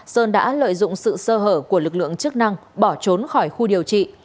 sơn đã lợi dụng sự sơ hở của lực lượng chức năng bỏ trốn khỏi khu điều trị